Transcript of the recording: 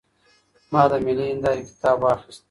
ما د ملي هنداره کتاب واخیست.